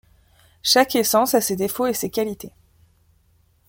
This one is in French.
Chaque essence a ses défauts et ses qualités.